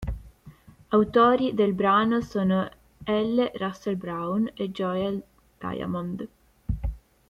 Autori del brano sono L. Russell Brown e Joel Diamond.